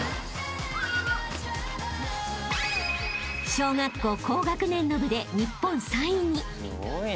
［小学校高学年の部で日本３位に］